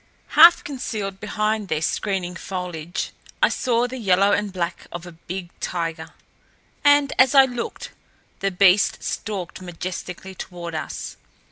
Half concealed behind their screening foliage I saw the yellow and black of a big tiger, and, as I looked, the beast stalked majestically toward us.